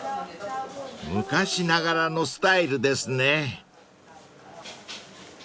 ［昔ながらのスタイルですね］